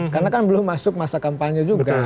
karena kan belum masuk masa kampanye juga